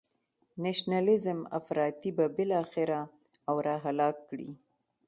نشنلیزم افراطی به بالاخره او را هلاک کړي.